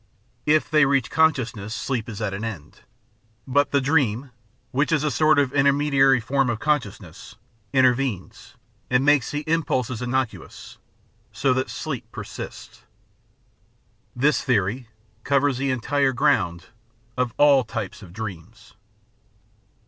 If they reach consciousness sleep is at an end, but the dream, which is a sort of intermediary form of consciousness, intervenes, and makes the impulses innocuous, so that sleep persists. This theory covers the entire ground of all types of dreams.